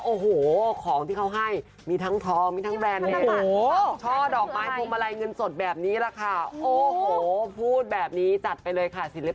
โอ้โหของที่ก็ให้มีทั้งทองทั้งแบรนด์เลย